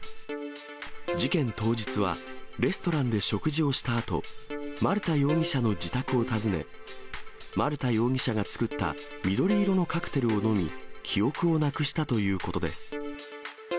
事件当日は、レストランで食事をしたあと、丸田容疑者の自宅を訪ね、丸田容疑者が作った緑色のカクテルを飲み、記憶をなくしたということです。